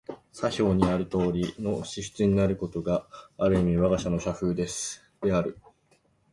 左表のとおりの支出になることが、ある意味わが社の社風である。